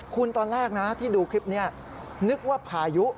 คุณตอนแรกนะที่ดูคลิปนี้นึกว่าพายุ